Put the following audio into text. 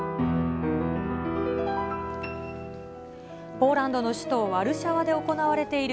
ポーランドの首都ワルシャワで行われている